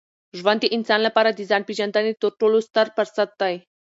ژوند د انسان لپاره د ځان پېژندني تر ټولو ستر فرصت دی.